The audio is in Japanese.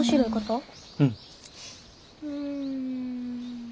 うん。